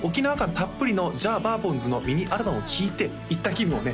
たっぷりのジャアバーボンズのミニアルバムを聴いて行った気分をね